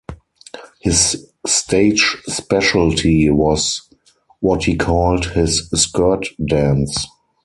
His stage specialty was what he called his skirt dance.